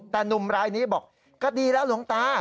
แต่หนุ่มรายนี้บอกก็ดีแล้วหลวงตา